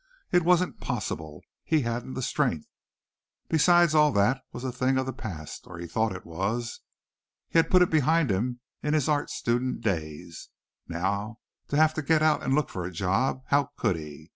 It wasn't possible he hadn't the strength. Besides all that was a thing of the past, or he thought it was. He had put it behind him in his art student days. Now to have to get out and look for a job! How could he?